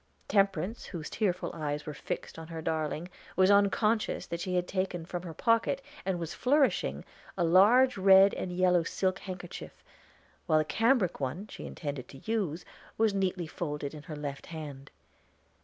Temperance, whose tearful eyes were fixed on her darling, was unconscious that she had taken from her pocket, and was flourishing, a large red and yellow silk handkerchief, while the cambric one she intended to use was neatly folded in her left hand.